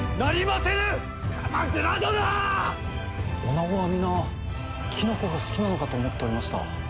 女子は皆きのこが好きなのかと思っておりました。